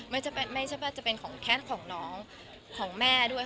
ไม่จะเป็นไม่ใช่เปล่าจะเป็นของแค่ของน้องของแม่ด้วย